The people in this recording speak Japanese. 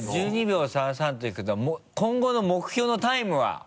１２秒３３っていうことは今後の目標のタイムは？